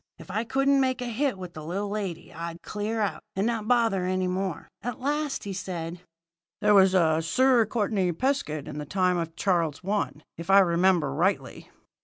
If I couldn't make a hit with the little lady, I'd clear out, and not bother any more. At last he says: "'There was a Sir Courtenay Pescud in the time of Charles I, if I remember rightly.'